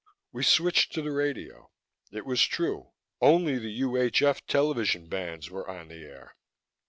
We switched to the radio: it was true. Only the UHF television bands were on the air.